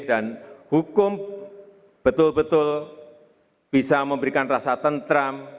dan hukum betul betul bisa memberikan rasa tentram